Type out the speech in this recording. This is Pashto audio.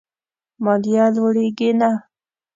ماليه لوړېږي نه.